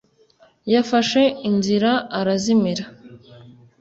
Yafashe inzira arazimira